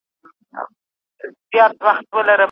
د قتل په مقابل کي نجلۍ ورکول حرام دي.